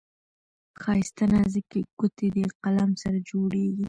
ښايسته نازكي ګوتې دې قلم سره جوړیږي.